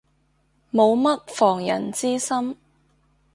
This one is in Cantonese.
冇乜防人之心